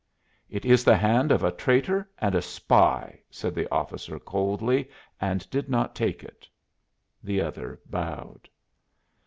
"It is the hand of a traitor and a spy," said the officer coldly, and did not take it. The other bowed.